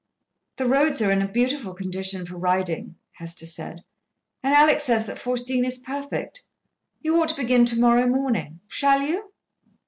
"The roads are in a beautiful condition for riding," Hester said, "and Alec says that Faustine is perfect. You ought to begin to morrow morning. Shall you?"